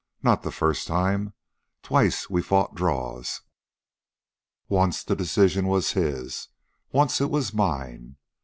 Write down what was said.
Not the first time. Twice we'd fought draws. Once the decision was his; once it was mine.